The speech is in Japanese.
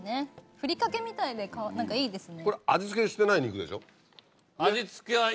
ふりかけみたいでいいですね。